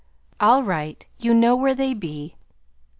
"All right. You know where they be."